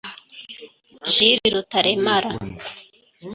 Jill Rutaremara